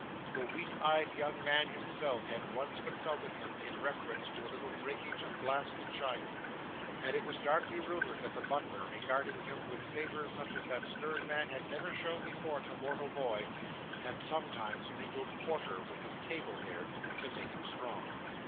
The weak eyed young man himself had once consulted him, in reference to a little breakage of glass and china. And it was darkly rumoured that the butler, regarding him with favour such as that stern man had never shown before to mortal boy, had sometimes mingled porter with his table beer to make him strong.